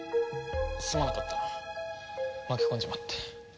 すまなかった巻き込んじまって。